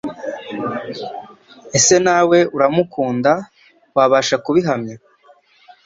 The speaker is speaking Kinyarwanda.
Ese nawe uramukunda Wabasha kubihamya